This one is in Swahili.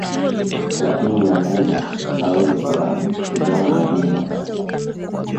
lakini Nyangumi hawawezi kulala huzama majini na kufa